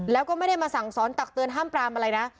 แล้วก็ไม่ได้มาสั่งสอนตักเตือนห้ามปรามอะไรนะ